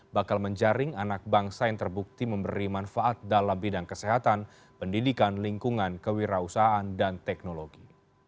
bakal menjaring anak bangsa yang terbukti memberi manfaat dalam bidang kesehatan pendidikan lingkungan kewirausahaan dan teknologi